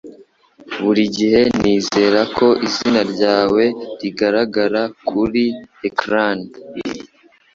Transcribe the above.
burigihe nizera ko izina ryawe rigaragara kuri ecran